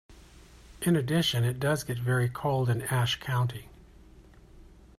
In addition it does get very cold in Ashe County.